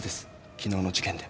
昨日の事件で。